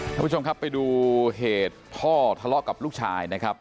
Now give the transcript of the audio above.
คุณผู้ชมครับไปดูเหตุพ่อทะเลาะกับลูกชายนะครับ